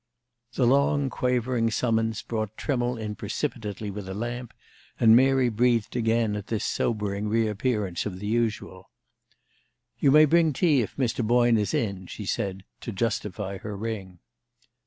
The long, quavering summons brought Trimmle in precipitately with a lamp, and Mary breathed again at this sobering reappearance of the usual. "You may bring tea if Mr. Boyne is in," she said, to justify her ring.